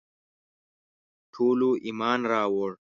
ټولو ایمان راووړ.